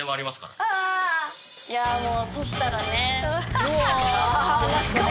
いやもうそしたらね。